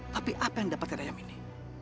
tapi apa yang dapatkan ayam ini